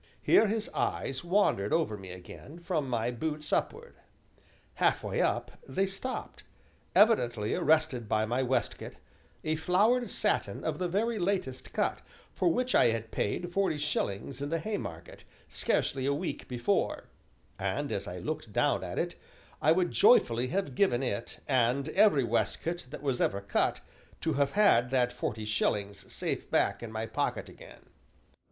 Here his eyes wandered over me again, from my boots upward. Half way up, they stopped, evidently arrested by my waistcoat, a flowered satin of the very latest cut, for which I had paid forty shillings in the Haymarket, scarcely a week before; and, as I looked down at it, I would joyfully have given it, and every waistcoat that was ever cut, to have had that forty shillings safe back in my pocket again.